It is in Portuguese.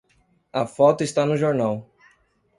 A foto está no jornal!